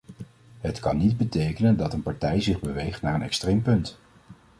Het kan niet betekenen dat een partij zich beweegt naar een extreem punt.